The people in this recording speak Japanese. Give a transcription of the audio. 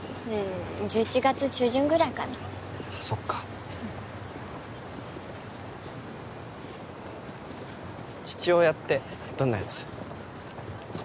１１月中旬ぐらいかなあっそっか父親ってどんなやつ？